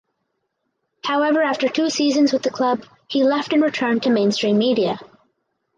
However after two seasons with the club he left and returned to mainstream media.